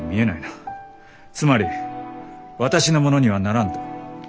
つまり私のものにはならんと？